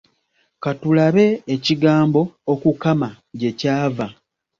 Ka tulabe ekigambo “okukama” gye kyava.